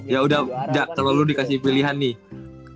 ya udah kalo lu dikasih pilihan nih